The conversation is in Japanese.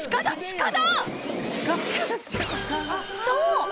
［そう。